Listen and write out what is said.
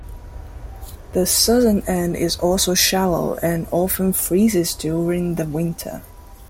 The southern end is also shallow and often freezes during the winter.